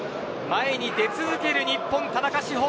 前に出続ける日本の田中志歩。